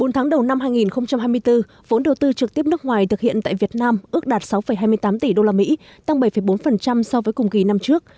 bốn tháng đầu năm hai nghìn hai mươi bốn vốn đầu tư trực tiếp nước ngoài thực hiện tại việt nam ước đạt sáu hai mươi tám tỷ usd tăng bảy bốn so với cùng kỳ năm trước